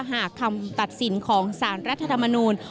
หากคำตัดสินของสารรัฐธรรมนูล